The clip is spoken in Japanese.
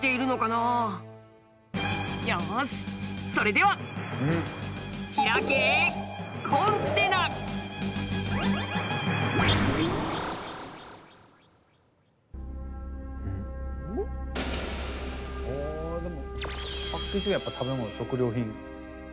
よしそれでは食べ物食料品。